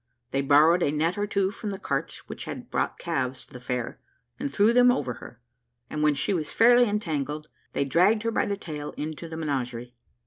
They borrowed a net or two from the carts which had brought calves to the fair, and threw them over her. When she was fairly entangled, they dragged her by the tail into the menagerie.